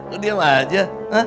kau diam aja